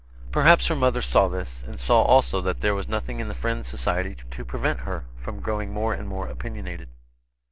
Perhaps her mother saw this, and saw also that there was nothing in the Friends' society to prevent her from growing more and more opinionated.